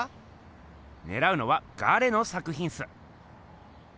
ねらうのは「ガレ」の作ひんっす。